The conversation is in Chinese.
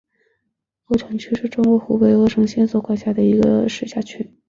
鄂城区是中国湖北省鄂州市所辖的一个市辖区。